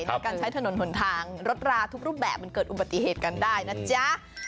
ในการใช้ถนนหนทางรถราทุกรูปแบบมันเกิดอุบัติเหตุกันได้นะจ๊ะ